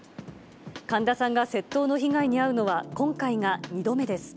神田さんが窃盗の被害に遭うのは、今回が２度目です。